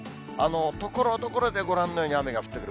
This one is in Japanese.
ところどころでご覧のように雨が降ってくる。